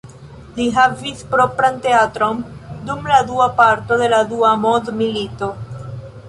Li havis propran teatron dum la dua parto de la dua mondmilito.